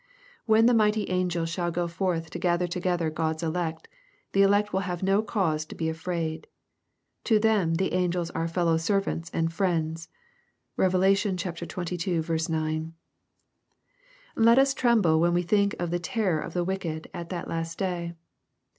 When the mighty angels shall go forth to gather to^ gether God's elect, the elect will have no cause to be afraid. To them the angels are fellow servants and friends. (Rev. xxii. 9.) Let us tremble when we think of the terror of the wicked at the last day.